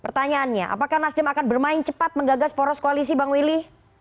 pertanyaannya apakah nasdem akan bermain cepat menggagas poros koalisi bang willy